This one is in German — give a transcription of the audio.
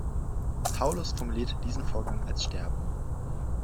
Paulus formuliert diesen Vorgang als Sterben.